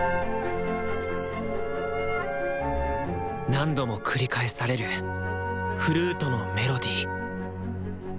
何度も繰り返されるフルートのメロディー。